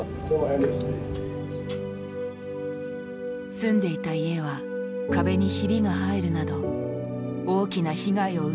住んでいた家は壁にヒビが入るなど大きな被害を受けた。